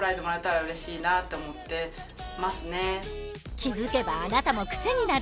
気付けばあなたもクセになる！